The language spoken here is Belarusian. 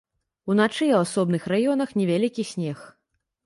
Уначы ў асобных раёнах невялікі снег.